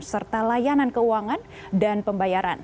serta layanan keuangan dan pembayaran